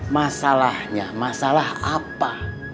masalahnya masalah apa